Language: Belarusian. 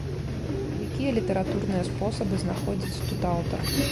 Якія літаратурныя спосабы знаходзіць тут аўтар?